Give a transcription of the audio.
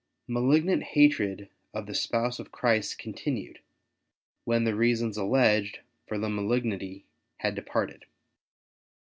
Malignant hatred of the Spouse of Christ continued, when the reasons alleged for the malignity had departed.